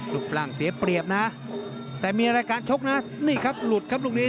รูปร่างเสียเปรียบนะแต่มีรายการชกนะนี่ครับหลุดครับลูกนี้